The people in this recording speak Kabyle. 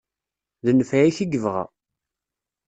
D nfeɛ-ik i yebɣa.